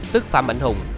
tức phạm mạnh hùng